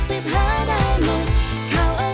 สามารถรับชมได้ทุกวัย